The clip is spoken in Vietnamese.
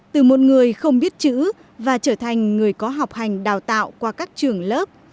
từ một người không biết chữ và trở thành người có học hành đào tạo qua các trường lớp